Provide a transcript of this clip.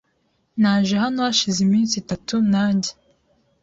Naje hano hashize iminsi itatu, nanjye.